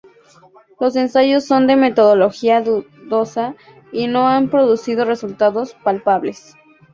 Los ensayos son de metodología dudosa y no han producido resultados palpables.